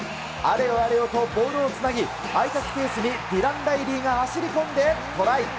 あれよあれよとボールをつなぎ、空いたスペースにディラン・ライリーが走り込んでトライ。